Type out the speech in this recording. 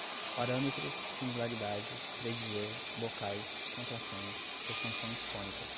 parâmetros, similaridade, predizer, bocais, contrações, expansões cônicas